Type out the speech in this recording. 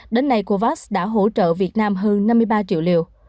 đến nay kovas đã hỗ trợ việt nam hơn năm mươi ba triệu liều